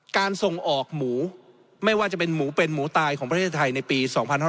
การส่งออกหมูไม่ว่าจะเป็นหมูเป็นหมูตายของประเทศไทยในปี๒๕๖๐